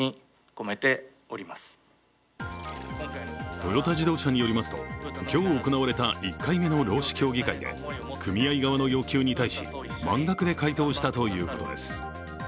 トヨタ自動車によりますと今日行われた１回目の労使協議会で組合側の要求に対し満額で回答したということです。